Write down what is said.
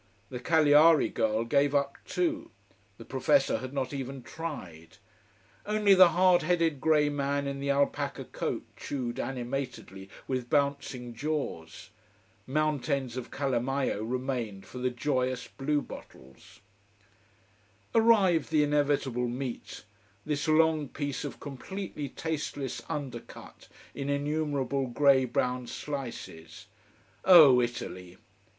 The Cagliari girl gave up too: the professor had not even tried. Only the hard headed grey man in the alpaca coat chewed animatedly, with bouncing jaws. Mountains of calamaio remained for the joyous blue bottles. Arrived the inevitable meat this long piece of completely tasteless undercut in innumerable grey brown slices. Oh, Italy!